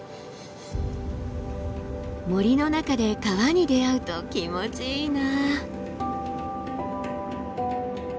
森の中で川に出会うと気持ちいいな。